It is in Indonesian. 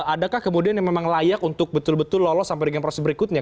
adakah kemudian yang memang layak untuk betul betul lolos sampai dengan proses berikutnya